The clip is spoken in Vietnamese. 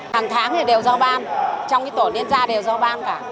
hàng tháng thì đều do ban trong cái tổ liên gia đều do ban cả